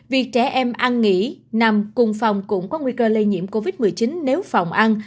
việc trẻ em ăn nghỉ nằm cùng phòng cũng có nguy cơ lây nhiễm covid một mươi chín nếu phòng ăn